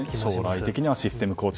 将来的にはシステム構築。